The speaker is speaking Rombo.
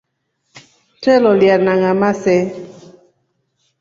Twe loliyana ngamaa see?